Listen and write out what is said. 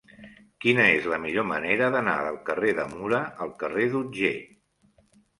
Quina és la millor manera d'anar del carrer de Mura al carrer d'Otger?